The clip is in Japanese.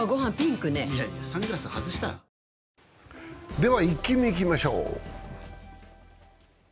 では「イッキ見」いきましょう。